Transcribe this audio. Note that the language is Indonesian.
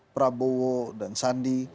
prabowo dan sandi